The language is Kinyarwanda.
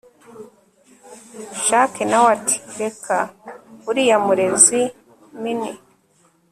jack nawe ati reka uriya murezi mn